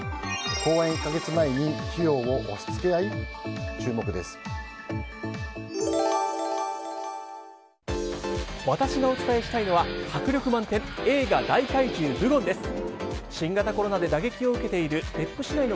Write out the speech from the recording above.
公演１か月前に費用を押し付け合い？